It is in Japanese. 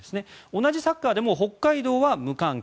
同じサッカーでも北海道は無観客。